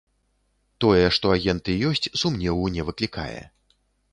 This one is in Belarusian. Тое, што агенты ёсць, сумневу не выклікае.